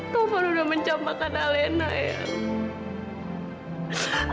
taufan udah mencamatkan alina eang